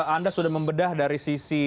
anda sudah membedah dari sisi